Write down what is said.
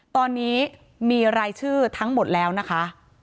ตอนนี้มีรายชื่อทั้งหมดแล้วนะคะ